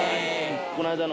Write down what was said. この間の。